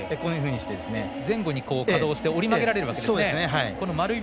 前後に稼働して折り曲げられるんですね。